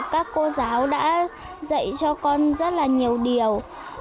các cô giáo đã dạy cho con rất là nhiều điều